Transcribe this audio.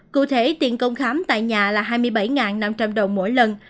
cụ thể tiền công khám tại nhà là hai mươi bảy năm trăm linh đồng mỗi lần